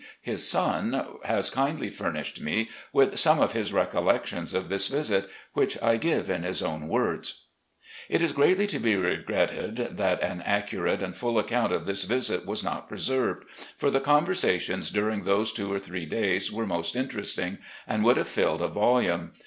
his son, has kindly furnished me with some of his recollections of this visit, which I give in his own words; "It is greatly to be regretted that an accurate and full account of this visit was not preserved, for the con versations dtuing those two or three days were most in teresting and would have filled a voltune.